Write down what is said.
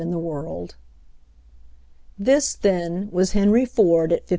in the world/' This, then, was Henry Ford at 52.